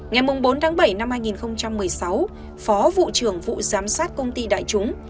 ngày bốn tháng bảy năm hai nghìn một mươi sáu phó vụ trưởng vụ giám sát công ty đại chúng